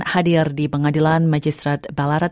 hadir di pengadilan magistrat barat